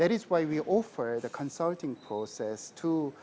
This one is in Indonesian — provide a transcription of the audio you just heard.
itulah mengapa kami memberikan proses konsultasi